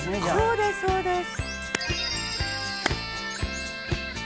そうですそうです。